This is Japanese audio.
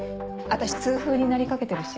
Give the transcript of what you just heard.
私痛風になりかけてるし。